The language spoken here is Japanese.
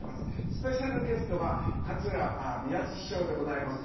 スペシャルゲストが桂宮治師匠でございます。